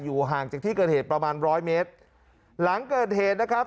ห่างจากที่เกิดเหตุประมาณร้อยเมตรหลังเกิดเหตุนะครับ